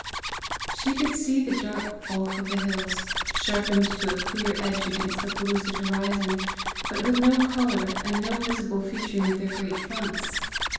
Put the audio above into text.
She could see the dark bulk of the hills, sharpened to a clear edge against the pellucid horizon, but with no colour, and no visible featuring of their great fronts.